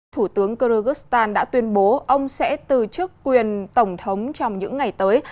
thủ tướng kyrgyzstan đã tuyên bố ông sẽ từ chức quyền tổng thống trong những ngày tới